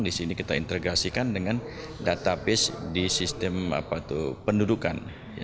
di sini kita integrasikan dengan database di sistem pendudukan